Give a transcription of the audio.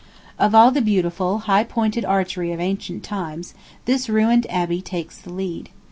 Of all the beautiful high pointed archery of ancient times, this ruined Abbey takes the lead.